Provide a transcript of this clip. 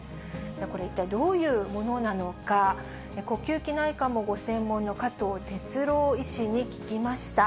これ、一体どういうものなのか、呼吸器内科もご専門の加藤哲朗医師に聞きました。